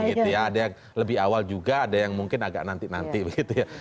ada yang lebih awal juga ada yang mungkin agak nanti nanti begitu ya